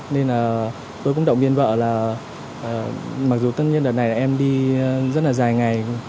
nên là tôi cũng động viên vợ là mặc dù tất nhiên đợt này là em đi rất là dài ngày